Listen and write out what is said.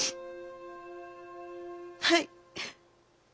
はい。